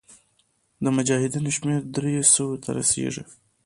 د مجاهدینو شمېر دریو سوو ته رسېدی.